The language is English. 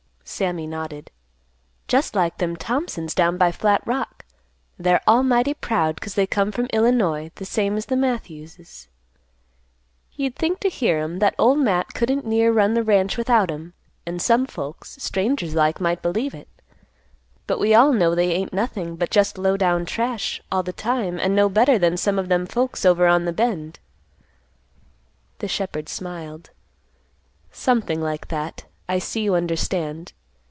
Sammy nodded, "Just like them Thompsons down by Flat Rock. They're all mighty proud, 'cause they come from Illinois the same as the Matthews's. You'd think to hear 'em that Old Matt couldn't near run the ranch without 'em, and some folks, strangers like, might believe it. But we all know they ain't nothing but just low down trash, all the time, and no better than some of them folks over on the Bend." The shepherd smiled, "Something like that. I see you understand.